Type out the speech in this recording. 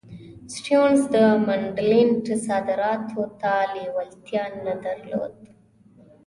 سټیونز د منډلینډ صادراتو ته لېوالتیا نه درلوده.